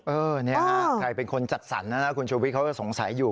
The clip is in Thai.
โอ๊ยเนี่ยค่ะใครเป็นคนจัดสรรนะคะคุณชุวิทเขาก็สงสัยอยู่